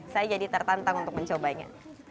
saya jadi tertantang untuk mencobanya